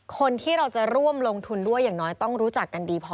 คนที่เราจะร่วมลงทุนด้วยอย่างน้อยต้องรู้จักกันดีพอ